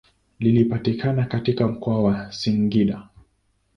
Linapatikana katika mkoa wa Singida.